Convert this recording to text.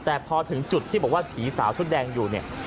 แต่พอถึงจุดที่บอกว่าผีสาวชุดแดงอยู่เนี่ย